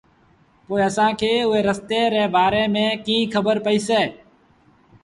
پوء اسآݩٚ کي اُئي رستي ري بآري ميݩ ڪيٚنٚ کبر پئيٚسي؟